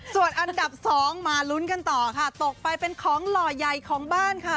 ส่วนอันดับสองมาลุ้นกันต่อค่ะตกไปเป็นของหล่อใหญ่ของบ้านค่ะ